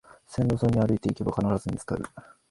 線路沿いに歩いていけば必ず見つかる